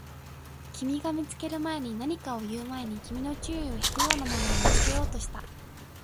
君が見つける前に、何かを言う前に、君の注意を引くようなものを見つけようとした